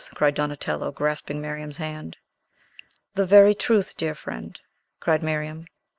cried Donatello, grasping Miriam's hand. "The very truth, dear friend," cried Miriam.